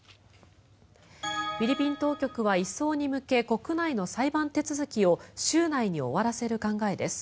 フィリピン当局は移送に向け国内の裁判手続きを週内に終わらせる考えです。